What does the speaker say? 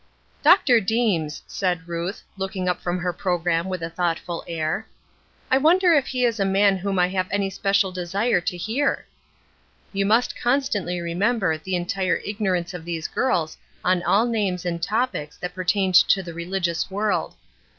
"Dr. Deems," said Ruth, looking up from her programme with a thoughtful air. "I wonder if he is a man whom I have any special desire to hear?" You must constantly remember the entire ignorance of these girls on all names and topics that pertained to the religious world.